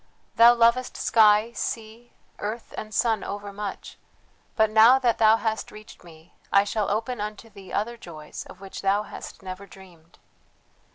"Thou lovest sky, sea, earth, and sun overmuch, but now that thou hast reached me I shall open unto thee other joys of which thou hast never dreamed.